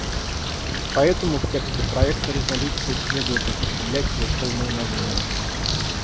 Поэтому в тексте проекта резолюции следует употреблять его полное название.